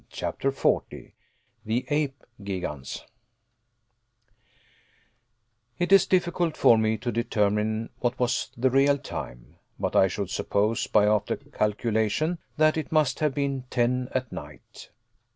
CHAPTER 40 THE APE GIGANS It is difficult for me to determine what was the real time, but I should suppose, by after calculation, that it must have been ten at night.